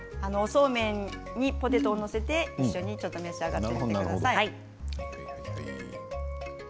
そうめんにポテトを載せて一緒に召し上がってください。